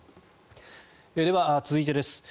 では、続いてです。